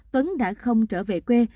tuấn đã không trở về quê